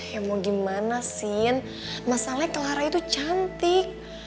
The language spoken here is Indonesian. ya mau gimana sih masalahnya clara itu cantik